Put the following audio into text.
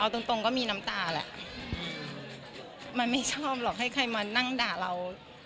เอาตรงก็มีน้ำตาแหละมันไม่ชอบหรอกให้ใครมานั่งด่าเรา